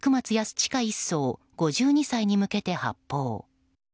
親１曹５２歳に向け発砲。